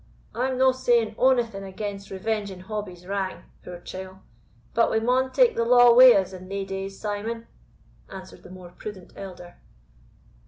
"I am no saying onything against revenging Hobbie's wrang, puir chield; but we maun take the law wi' us in thae days, Simon," answered the more prudent elder.